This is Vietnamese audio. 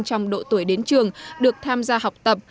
trong độ tuổi đến trường được tham gia học tập